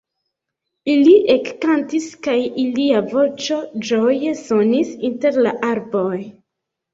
Ili ekkantis, kaj ilia voĉo ĝoje sonis inter la arboj.